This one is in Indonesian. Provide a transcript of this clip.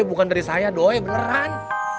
bukan dari saya doi beneran